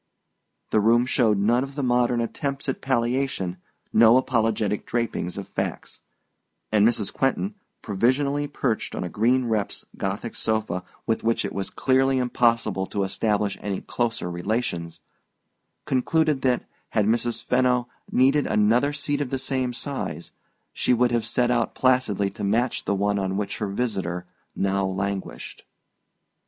The room showed none of the modern attempts at palliation, no apologetic draping of facts; and Mrs. Quentin, provisionally perched on a green reps Gothic sofa with which it was clearly impossible to establish any closer relations, concluded that, had Mrs. Fenno needed another seat of the same size, she would have set out placidly to match the one on which her visitor now languished.